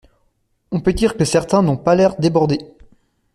On peut dire que certains n'ont pas l'air débordés.